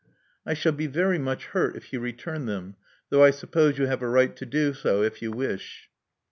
I shall be very much hurt if you return them; though I suppose you have a right to do so if you wish."